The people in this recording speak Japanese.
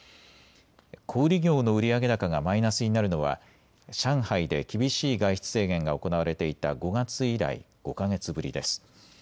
小売業の売上高がマイナスになるのは上海で厳しい外出制限が行われていた５月以来、５か月ぶりです。